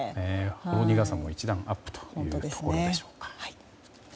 ほろ苦さも一段アップというところでしょうか。